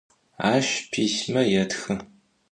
Aş pisme yêtxı.